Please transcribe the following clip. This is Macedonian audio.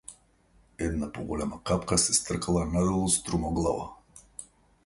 Една поголема капка се стркала надолу струмоглаво.